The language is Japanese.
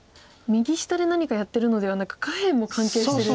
右下で何かやってるのではなく下辺も関係してる。